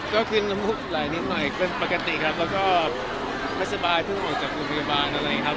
ก็ขึ้นระมุกหลายนิดหน่อยเป็นปกติครับและไม่สบายเพิ่งออกจากกลุ่มบริการ